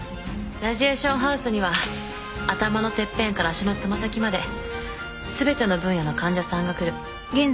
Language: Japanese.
ラジエーションハウスには頭のてっぺんから足の爪先まで全ての分野の患者さんが来る。